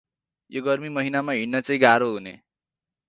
यो गर्मी महिनामा हिड्न चै गारो हुने ।